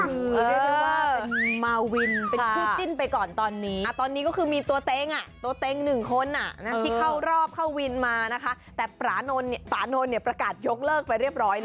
เรียกว่าเป็นมาวินเป็นผู้จิ้นไปก่อนตอนนี้